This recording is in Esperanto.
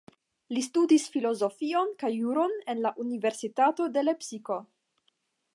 Li studis Filozofion kaj Juron en la Universitato de Lepsiko.